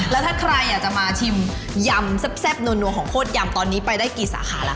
แล้วถ้าใครอยากจะมาชิมยำแซ่บนัวของโคตรยำตอนนี้ไปได้กี่สาขาแล้วค